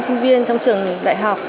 sinh viên trong trường đại học